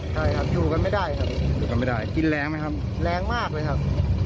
ใช่ครับอยู่กันไม่ได้ครับอยู่กันไม่ได้กินแรงไหมครับแรงมากเลยครับ